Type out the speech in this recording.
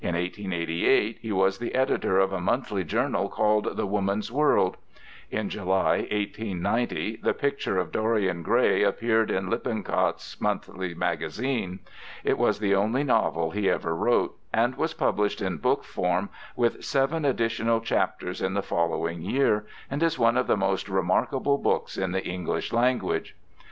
In 1888 he was the editor of a monthly journal called The Woman's World. In July, 1890,_ The Picture of Dorian Gray_ appeared in Lippincott's Monthly Magazine. It was the only novel he ever wrote, and was published in book form with seven additional chapters in the following year, and is one of the most remarkable books in the English language.